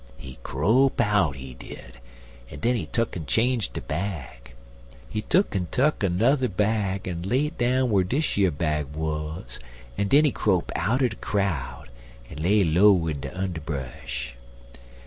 He crope out, he did, en den he tuck'n change de bag. He tuck'n tuck a n'er bag en lay it down whar dish yer bag wuz, en den he crope outer de crowd en lay low in de underbresh.